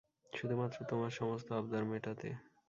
শুধুমাত্র তোমার সমস্ত আবদার মেটাতে।